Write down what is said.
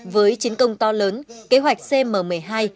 với chiến công to lớn kế hoạch cm một mươi hai đã được đạt